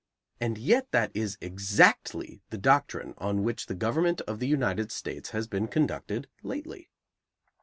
And yet that is exactly the doctrine on which the government of the United States has been conducted lately.